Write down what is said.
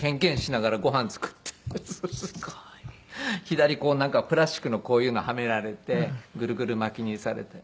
左こうなんかプラスチックのこういうのはめられてグルグル巻きにされて。